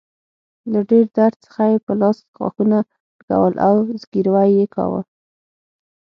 له ډیر درد څخه يې په لاس غاښونه لګول او زګیروی يې کاوه.